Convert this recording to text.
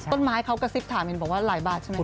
ต้นไม้เขากระซิบถามเห็นบอกว่าหลายบาทใช่ไหม